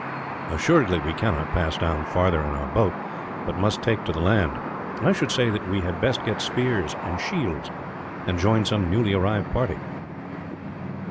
Assuredly we cannot pass down farther in our boat, but must take to the land. I should say that we had best get spears and shields, and join some newly arrived party."